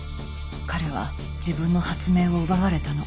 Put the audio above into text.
彼は自分の発明を奪われたの。